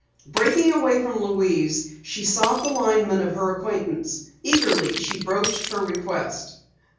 Breaking away from Louise, she sought the lineman of her acquaintance. Eagerly she broached her request.